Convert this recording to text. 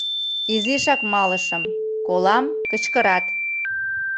Изишак малышым, колам — кычкырат